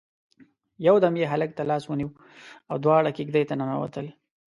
يودم يې هلک تر لاس ونيو او دواړه کېږدۍ ته ننوتل.